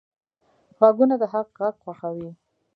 غوږونه د حق غږ خوښوي